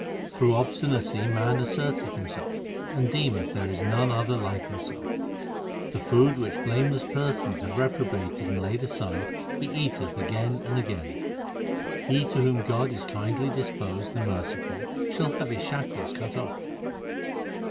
Through obstinacy man asserteth himself and deemeth there is none other like himself. The food which blameless persons have reprobated and laid aside he eateth again and again. 1 He to whom God is kindly disposed and merciful shall have his shackles cut off.